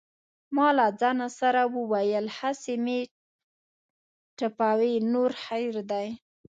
ما له ځانه سره وویل: هسې مې ټپوي نور خیر دی.